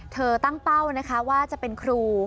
ตั้งเป้านะคะว่าจะเป็นครู